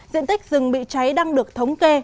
diện tích rừng bị cháy đang được thống kê